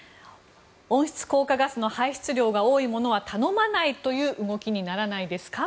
温室効果ガスの排出量が多いものは頼まないという動きにならないですか？